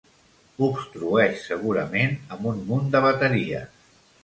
Obstrueix, segurament amb un munt de bateries.